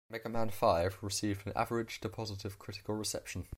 "Mega Man V" received an average to positive critical reception.